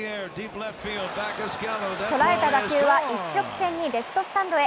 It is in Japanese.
捉えた打球は一直線にレフトスタンドへ。